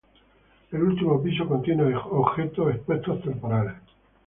El último piso contiene objetos expuestos temporales.